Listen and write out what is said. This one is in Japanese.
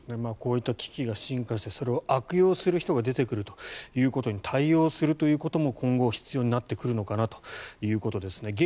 こういった機器が進化してそれを悪用する人が出てくるということに対応することも今後、必要になってくるのかなということですね。